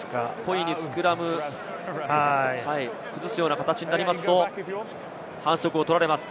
故意にスクラムを崩すような形になると反則を取られます。